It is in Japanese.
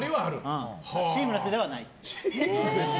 シームレスではない。